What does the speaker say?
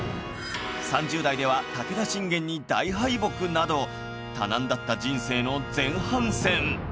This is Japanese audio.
３０代では武田信玄に大敗北など多難だった人生の前半戦